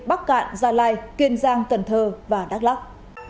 bắc cạn gia lai kiên giang cần thơ và đắk lắc